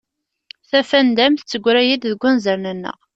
Tafanda-m tettegray-d deg wanzaren-nneɣ.